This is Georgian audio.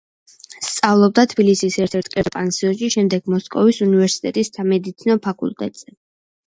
სწავლობდა თბილისის ერთ-ერთ კერძო პანსიონში, შემდეგ მოსკოვის უნივერსიტეტის სამედიცინო ფაკულტეტზე.